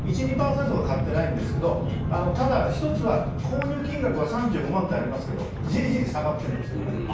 １２％が買っていないんですけどただ、１つは購入金額は３５万ってありますけどじりじり下がってるんです。